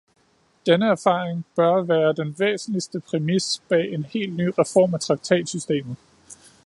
Denne erfaring bør være den væsentligste præmis bag en helt ny reform af traktatsystemet.